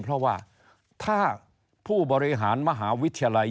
เพราะว่าถ้าผู้บริหารมหาวิทยาลัย